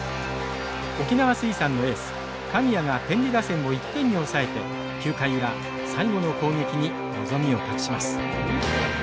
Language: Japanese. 沖縄水産のエース神谷が天理打線を１点に抑えて９回裏最後の攻撃に望みを託します。